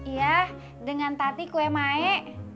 iya dengan tati kue mae